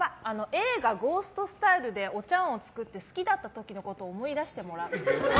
映画「ゴースト」スタイルでお茶わんを作って好きだった時のことを思い出してもらう。